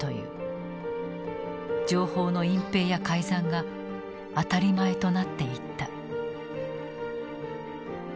情報の隠蔽や改ざんが当たり前となっていった。